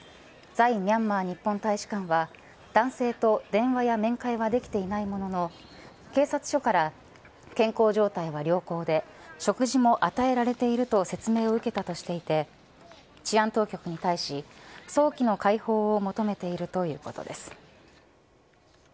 在日本大使館は男性と電話や面会はできていないものの警察署から健康状態は良好で食事も与えられていると説明を受けたとしていて治安当局に対し早期の解放を求めているということです。